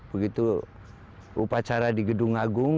begitu upacara di gedung agung